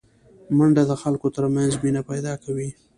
منډه د خلکو ترمنځ مینه پیداکوي